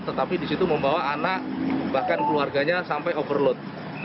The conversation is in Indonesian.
tetapi di situ membawa anak bahkan keluarganya sampai overload